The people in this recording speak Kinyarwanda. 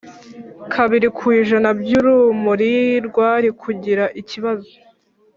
kabiri ku ijana by urumuri rwari kugira ikibazo